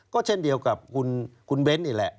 ก็เช่นเดียวกับคุณเบ้นนี่แหละ